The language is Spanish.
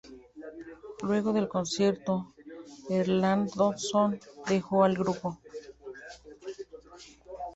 Luego del concierto, Erlandson dejó el grupo.